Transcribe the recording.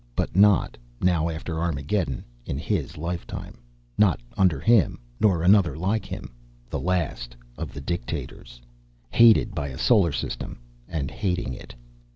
But not, now after Armageddon, in his lifetime. Not under him, nor another like him. The last of the dictators. Hated by a solar system, and hating it.